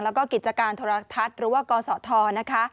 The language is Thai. แล้วก็กิจการโทรทัศน์หรือว่ากศธนะคะ